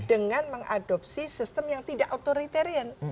dengan mengadopsi sistem yang tidak authoritarian